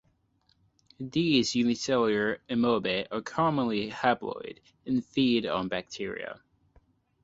These unicellular amoebae are commonly haploid, and feed on bacteria.